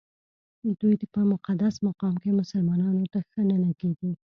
دوی په مقدس مقام کې مسلمانانو ته ښه نه لګېږي.